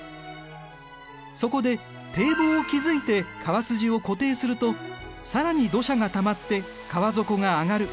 そこで堤防を築いて川筋を固定すると更に土砂がたまって川底が上がる。